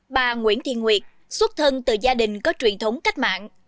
bà nguyễn thị nguyệt xuất thân từ gia đình có truyền thống cách mạng